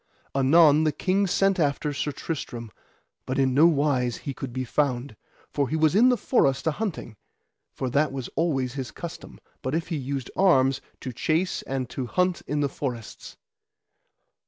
Anon the king sent after Sir Tristram, but in no wise he could be found, for he was in the forest a hunting; for that was always his custom, but if he used arms, to chase and to hunt in the forests.